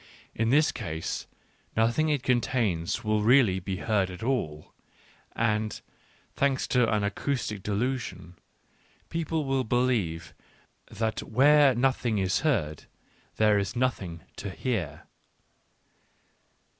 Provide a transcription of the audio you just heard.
In this case nothing it contains will really be heard at all, and, thanks to an acoustic delusion, people will believe that where nothing is heard there is nothing to hear.